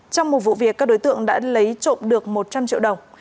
trong một vụ việc các đối tượng đã lấy trộm được một trăm linh triệu đồng